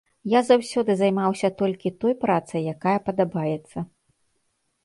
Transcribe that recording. Я заўсёды займаўся толькі той працай, якая падабаецца.